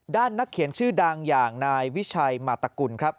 นักเขียนชื่อดังอย่างนายวิชัยมาตกุลครับ